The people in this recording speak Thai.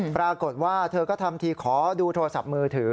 ปรากฏว่าเธอก็ทำทีขอดูโทรศัพท์มือถือ